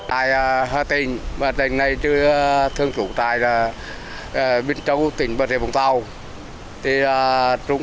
tại hà tình hà tình này thường chủ tại bình châu tỉnh bình thuận tàu